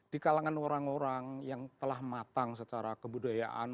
di kalangan orang orang yang telah matang secara kebudayaan